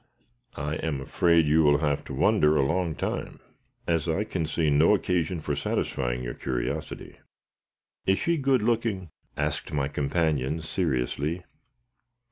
"I am afraid you will have to wonder a long time, as I can see no occasion for satisfying your curiosity." "Is she good looking?" asked my companion, seriously.